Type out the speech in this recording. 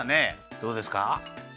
どうですか？